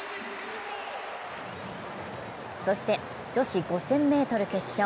そして女子５０００ｍ決勝。